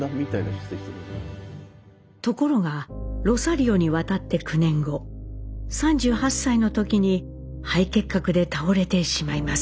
ところがロサリオに渡って９年後３８歳の時に肺結核で倒れてしまいます。